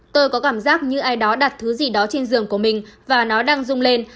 tôi có cảm giác như ai đó đặt thứ gì đó trên giường của mình và nó đang rung lên